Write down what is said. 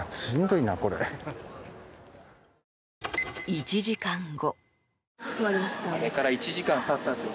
１時間後。